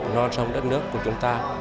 non sông đất nước của chúng ta